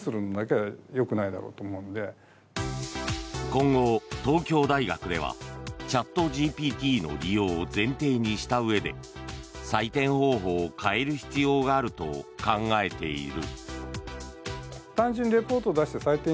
今後、東京大学ではチャットＧＰＴの利用を前提にしたうえで採点方法を変える必要があると考えている。